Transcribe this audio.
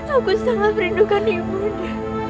aku sangat merindukan ibunda